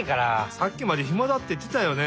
さっきまで「ひまだ」っていってたよね。